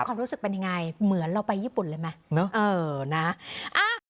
ความรู้สึกเป็นยังไงเหมือนเราไปญี่ปุ่นเลยไหม